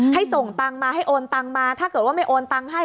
ส่งตังค์มาให้โอนตังมาถ้าเกิดว่าไม่โอนตังค์ให้